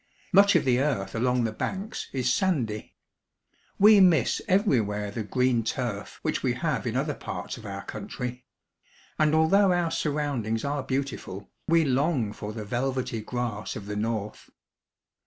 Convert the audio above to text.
Much of the earth along the banks is sandy. We miss everywhere the green turf which we have in other parts of our country ; and although our surroundings are beautiful, we long for the velvety grass of the North.